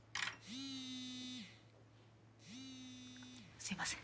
すいません。